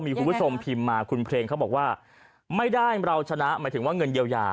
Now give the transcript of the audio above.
มีคุณผู้ชมพิมพ์มาคุณเพลงเขาบอกว่าไม่ได้เราชนะหมายถึงว่าเงินเยียวยา